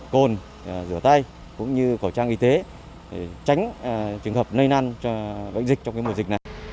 cồn rửa tay cũng như khẩu trang y tế để tránh trường hợp lây năn cho bệnh dịch trong mùa dịch này